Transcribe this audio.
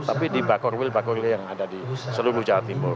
tapi di bakor wil bakowil yang ada di seluruh jawa timur